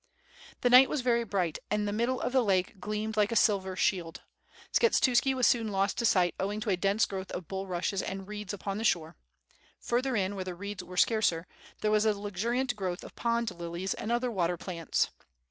The night was very bright and the middle of the lake gleamed like a silver shield. Skshetuski was soon lost to sight owing to a dense growth of bullrushc*^ and reeds upon the shore; further in, where the reeds were scarcer, there was a luxuriant growth of pond lilies and other water plants.